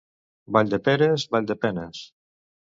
Valldeperes, vall de penes.